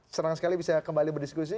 senang sekali bisa kembali berdiskusi